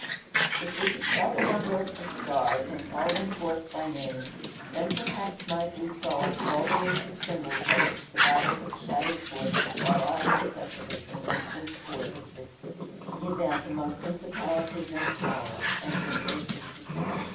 If we could tell the number of the stars, and call them forth by name, then, perhaps, might we solve all the mystic symbols by which the Bible has shadowed forth the far lying necessities and reachings forth of this event "among principalities and powers," and in "ages to come."